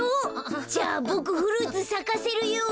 じゃあボクフルーツさかせるよ。